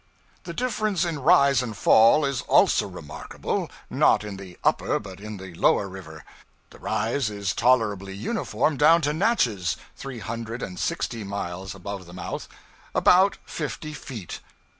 The difference in rise and fall is also remarkable not in the upper, but in the lower river. The rise is tolerably uniform down to Natchez (three hundred and sixty miles above the mouth) about fifty feet.